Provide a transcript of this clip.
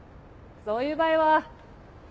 そういう場合は。